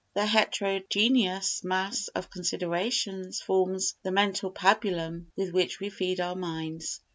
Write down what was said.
This heterogeneous mass of considerations forms the mental pabulum with which we feed our minds.